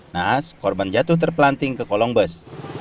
naas korban jatuh terpelanting ke kolong bus